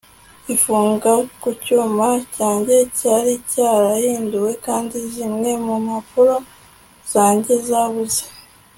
Ifunga ku cyuma cyanjye cyari cyarahinduwe kandi zimwe mu mpapuro zanjye zabuze